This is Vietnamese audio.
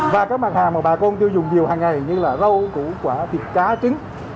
và các mặt hàng mà bà con tiêu dùng nhiều hàng ngày như là rau củ quả thịt cá trứng